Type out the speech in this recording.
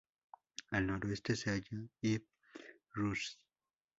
Al noroeste se halla Ibn-Rushd.